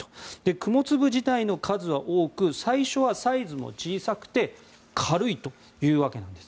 雲粒自体の数は多く最初はサイズも小さくて軽いわけなんです。